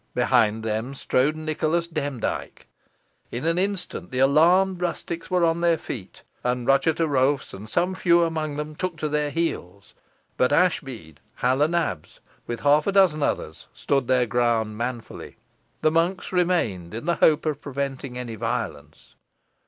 Behind them strode Nicholas Demdike. In an instant the alarmed rustics were on their feet, and Ruchot o' Roaph's, and some few among them, took to their heels, but Ashbead, Hal o' Nabs, with half a dozen others, stood their ground manfully. The monks remained in the hope of preventing any violence.